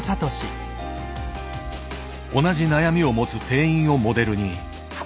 同じ悩みを持つ店員をモデルに服を選ぶ。